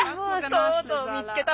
とうとう見つけたわね。